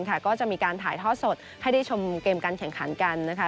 ก็จะมีการถ่ายทอดสดให้ได้ชมเกมการแข่งขันกันนะคะ